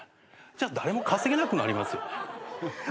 じゃあ誰も稼げなくなりますよね。